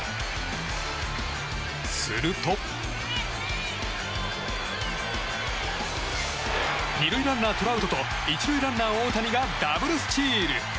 すると２塁ランナー、トラウトと１塁ランナー、大谷がダブルスチール。